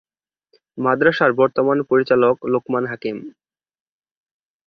মাদ্রাসার বর্তমান মহাপরিচালক লোকমান হাকিম।